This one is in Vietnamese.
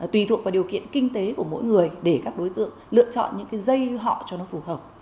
tùy thuộc vào điều kiện kinh tế của mỗi người để các đối tượng lựa chọn những cái dây họ cho nó phù hợp